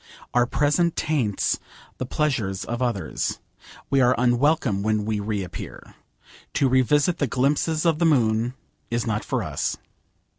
Our presence taints the pleasures of others. We are unwelcome when we reappear. To revisit the glimpses of the moon is not for us.